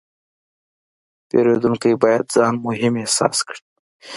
پیرودونکی باید ځان مهم احساس کړي.